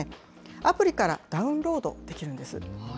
アプリからダウンロードできるんです。